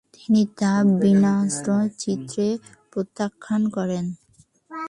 তিনি তা বিনম্র চিত্তে প্রত্যাখান করেন।